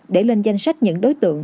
để lên danh sách những đối tượng